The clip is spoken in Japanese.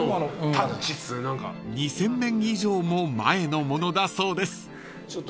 ［２，０００年以上も前のものだそうです］